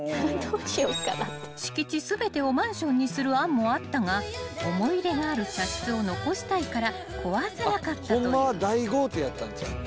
［敷地全てをマンションにする案もあったが思い入れがある茶室を残したいから壊せなかったという］